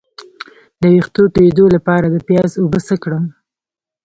د ویښتو تویدو لپاره د پیاز اوبه څه کړم؟